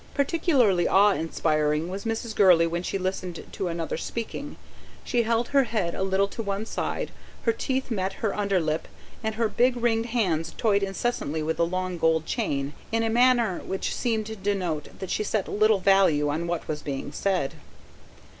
Particularly awe inspiring was Mrs. Gurley when she listened to another speaking. She held her head a little to one side, her teeth met her underlip and her be ringed hands toyed incessantly with the long gold chain, in a manner which seemed to denote that she set little value on what was being said.